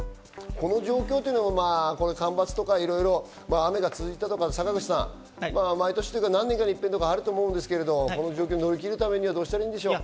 この状況っていうのも、まぁ間伐とかいろいろ、雨が続いたとか、坂口さん、毎年、何年かにいっぺんとかあると思うんですけど、この状況を乗り切るために、どうしたらいいと思いますか？